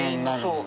そう。